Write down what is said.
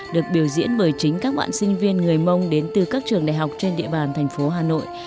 được biểu diễn bởi chính các bạn sinh viên người mông đến từ các trường đại học trên địa bàn thành phố hà nội